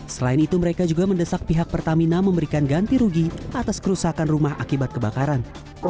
selain itu mereka juga mendesak pihak pertamina memberikan ganti rugi atas kerusakan rumah akibat kebakaran